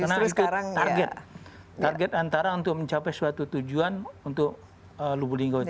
karena itu target target antara untuk mencapai suatu tujuan untuk lubu linggau